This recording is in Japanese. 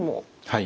はい。